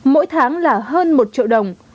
mỗi tháng là hơn một triệu đồng